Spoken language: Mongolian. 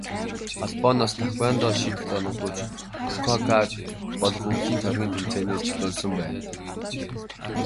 Холбооноос Таканоивад шийтгэл оногдуулж, Фүкүокад болох өвлийн тойргийн тэмцээнээс чөлөөлсөн байна.